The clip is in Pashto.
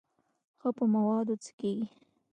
ښه په موادو څه کېږي.